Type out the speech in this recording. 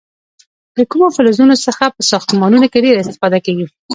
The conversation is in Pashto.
د کومو فلزونو څخه په ساختمانونو کې ډیره استفاده کېږي؟